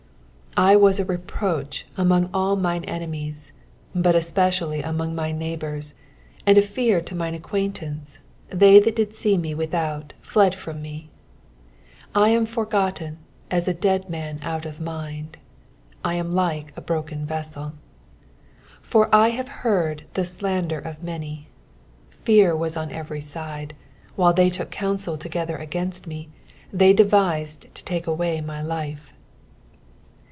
11 I was a reproach among all mine enemies, but especially among my neighbours, and a fear to mine acquaintance ; they that did see me without fled from me. 12 I am foi^otten as a dead man out of mind : I am like a broken vessel. 13 For 1 have heard the slander of many : fear wtts on every side : while they took counsel together against me, they devised to take away my life.